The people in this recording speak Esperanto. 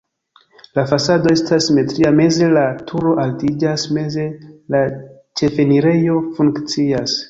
La fasado estas simetria, meze la turo altiĝas, meze la ĉefenirejo funkcias.